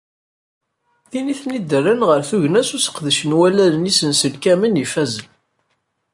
Din i ten-id-rran ɣer tugna s useqdec n wallalen isenselkamen ifazen.